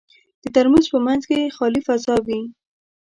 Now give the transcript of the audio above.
د ترموز په منځ کې خالي فضا وي.